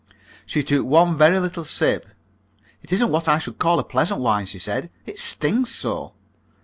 She took one very little sip. "It isn't what I should call a pleasant wine," she said. "It stings so."